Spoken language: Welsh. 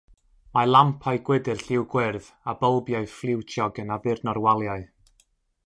Mae lampau gwydr lliw gwyrdd â bylbiau ffliwtiog yn addurno'r waliau